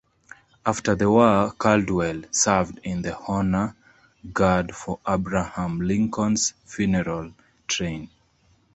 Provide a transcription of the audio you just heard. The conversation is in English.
After the war, Caldwell served in the honor guard for Abraham Lincoln's funeral train.